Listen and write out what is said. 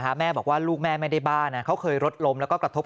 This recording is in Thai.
แม่บอกว่าลูกแม่ไม่ได้บ้านะเขาเคยรถล้มแล้วก็กระทบ